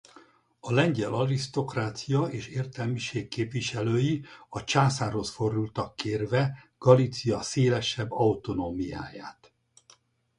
A lengyel arisztokrácia és értelmiség képviselői a császárhoz fordultak kérve Galícia szélesebb autonómiáját.